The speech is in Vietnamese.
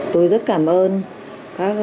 tôi rất cảm ơn các tri hội phụ nữ